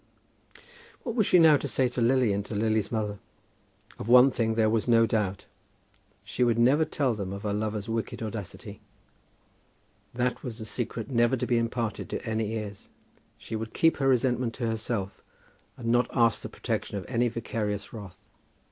What was she now to say to Lily and to Lily's mother? Of one thing there was no doubt. She would never tell them of her lover's wicked audacity. That was a secret never to be imparted to any ears. She would keep her resentment to herself, and not ask the protection of any vicarious wrath.